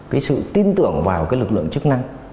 cái sự tin tưởng vào cái lực lượng chức năng